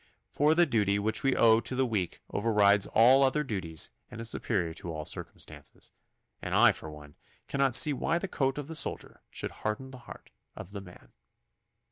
For the duty which we owe to the weak overrides all other duties and is superior to all circumstances, and I for one cannot see why the coat of the soldier should harden the heart of the man.